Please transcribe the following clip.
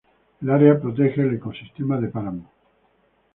El área protege el ecosistema de páramo.